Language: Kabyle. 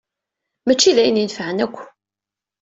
Mačči d ayen inefɛen akk.